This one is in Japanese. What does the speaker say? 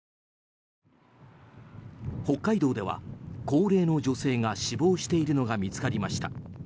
北海道では高齢の女性が死亡しているのが見つかりました。